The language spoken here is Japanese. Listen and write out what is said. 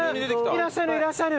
いらっしゃるいらっしゃる。